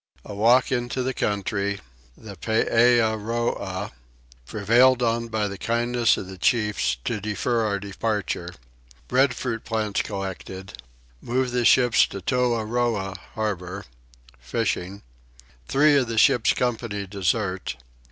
A Walk into the Country. The Peeah Roah. Prevailed on by the Kindness of the Chiefs to defer our Departure. Breadfruit Plants collected. Move the Ship to Toahroah Harbour. Fishing. Three of the Ship's Company desert.